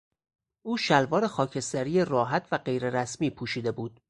او شلوار خاکستری راحت و غیررسمی پوشیده بود.